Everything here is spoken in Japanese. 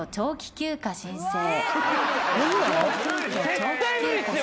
絶対無理っすよ。